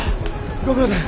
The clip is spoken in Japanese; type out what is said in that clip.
ご苦労さん。